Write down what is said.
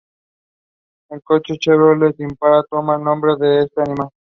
El coche Chevrolet Impala toma el nombre de este animal.